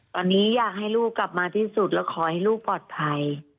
ตอนนี้อยากให้ลูกกลับมาที่สุดแล้วขอให้ลูกปลอดภัย